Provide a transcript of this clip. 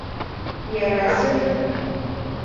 Иара азыҳәан.